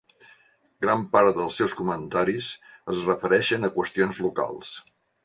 Gran part dels seus comentaris es refereixen a qüestions locals.